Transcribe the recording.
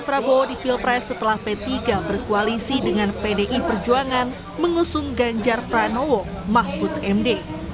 prabowo di pilpres setelah p tiga berkoalisi dengan pdi perjuangan mengusung ganjar pranowo mahfud md